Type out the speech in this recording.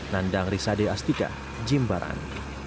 nandang risade astika jimbaran